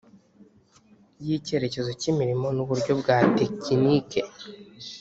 y icyerekezo cy imirimo n uburyo bwa tekinike